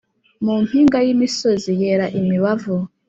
mu mpinga y’imisozi yera imibavu!